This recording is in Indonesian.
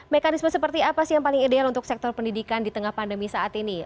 mekanisme seperti apa sih yang paling ideal untuk sektor pendidikan di tengah pandemi saat ini